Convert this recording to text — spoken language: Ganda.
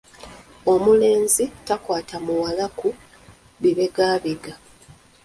Omulenzi takwata muwala ku bibegabega